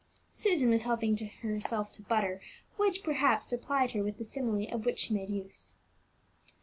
Susan was helping herself to butter, which, perhaps, supplied her with the simile of which she made use.